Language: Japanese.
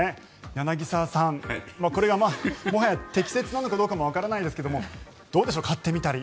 柳澤さん、これがもはや適切なのかどうかもわからないですがどうでしょう、買ってみたり。